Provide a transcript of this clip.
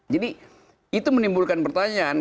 jadi itu menimbulkan pertanyaan